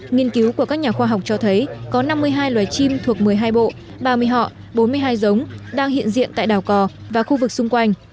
nghiên cứu của các nhà khoa học cho thấy có năm mươi hai loài chim thuộc một mươi hai bộ ba mươi họ bốn mươi hai giống đang hiện diện tại đảo cò và khu vực xung quanh